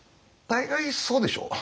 大概そうでしょう。